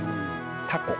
タコ。